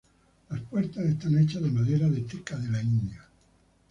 Las puertas están hechas de madera de teca de la India.